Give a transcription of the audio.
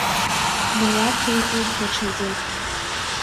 Наиаҭеикит даҽаӡәы.